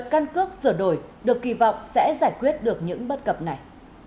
căn cước sửa đổi được kỳ vọng sẽ giải quyết được những bất cập này